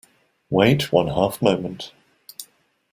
Wait one half-moment.